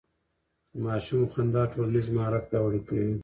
د ماشوم خندا ټولنيز مهارت پياوړی کوي.